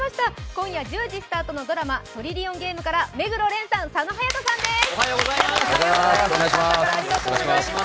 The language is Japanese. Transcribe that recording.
今夜１０時スタートのドラマ「トリリオンゲーム」から目黒蓮さん、佐野勇斗さんです、朝からありがとうございます。